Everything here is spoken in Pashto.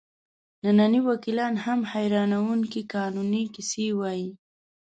ننني وکیلان هم حیرانوونکې قانوني کیسې وایي.